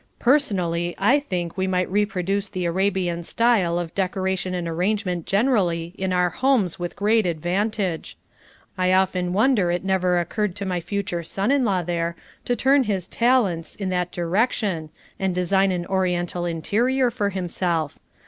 Personally, I think we might reproduce the Arabian style of decoration and arrangement generally in our homes with great advantage. I often wonder it never occurred to my future son in law there to turn his talents in that direction and design an Oriental interior for himself.